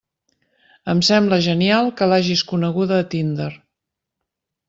Em sembla genial que l'hagis coneguda a Tinder!